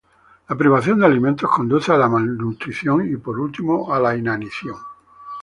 La privación de alimentos conduce a la malnutrición y por último a la inanición.